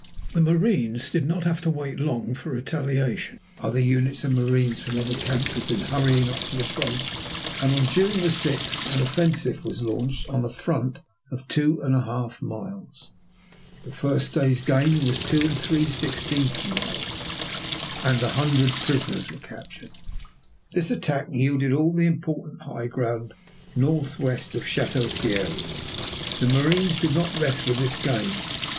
The marines did not have to wait long for retaliation. Other units of marines from other camps had been hurrying up to the front, and on June 6 an offensive was launched on a front of two and a half miles. The first day's gain was two and three sixteenth miles and 100 prisoners were captured. This attack yielded all the important high ground northwest of Château Thierry. The marines did not rest with this gain.